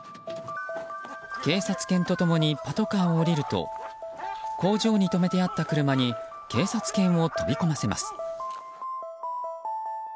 警察犬と共にパトカーを降りると工場に止めてあった車に警察犬を飛び込ませます。